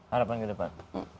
harapan ke depan